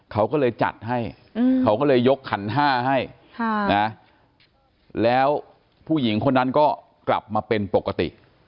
เขาก็เลยจัดให้เขาก็เลยยกขันห้าให้แล้วผู้หญิงคนนั้นก็กลับมาเป็นปกติ